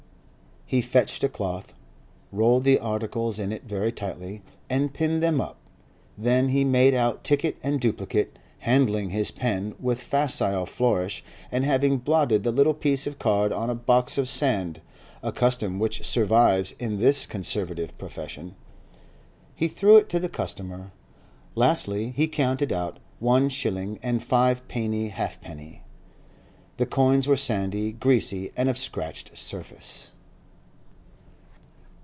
He fetched a cloth, rolled the articles in it very tightly, and pinned them up; then he made out ticket and duplicate, handling his pen with facile flourish, and having blotted the little piece of card on a box of sand (a custom which survives in this conservative profession), he threw it to the customer. Lastly, he counted out one shilling and five pence halfpenny. The coins were sandy, greasy, and of scratched surface.